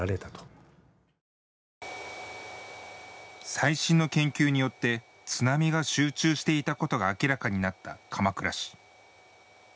最新の研究によって津波が集中していたことが明らかになった鎌倉市。